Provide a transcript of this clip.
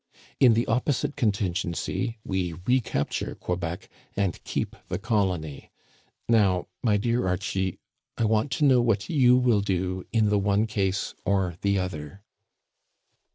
In the opposite contingency we recapture Quebec and keep the colony. Now, my dear Archie, I want to know what you will do in the one case or the other."